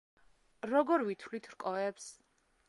როგორ ვითვლით რკოებს?